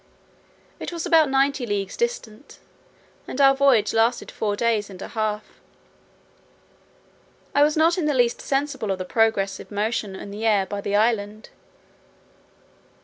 It was about ninety leagues distant, and our voyage lasted four days and a half. I was not in the least sensible of the progressive motion made in the air by the island.